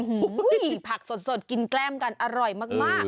ผักสดกินแกล้มกันอร่อยมาก